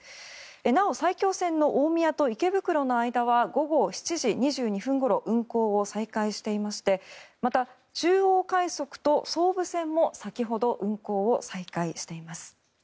なお、埼京線の大宮と池袋の間は午後７時２２分ごろ運行を再開していましてまた、中央快速と総武線も先ほど運行を再開しています。